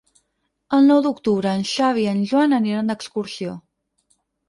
El nou d'octubre en Xavi i en Joan aniran d'excursió.